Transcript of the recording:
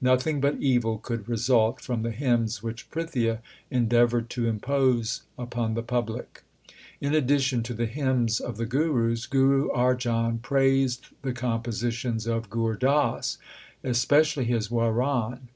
Nothing but evil could result from the hymns which Prithia endea voured to impose upon the public. In addition to the hymns of the Gurus, Guru Arjan praised the compositions of Gur Das, especially his Waran